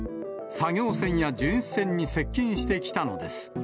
作業船や巡視船に接近してきたのです。